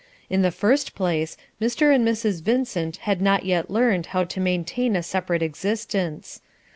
In the first place, Mr. and Mrs. Vincent had not yet learned how to maintain a separate existence.